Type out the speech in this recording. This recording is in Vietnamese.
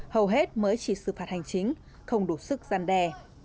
hầu hết mới chỉ xử phạt hành chính không đủ sức gian đe